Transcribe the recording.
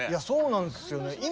そうなんですよね。